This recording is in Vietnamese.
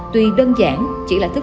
tuy đơn giản chỉ là thức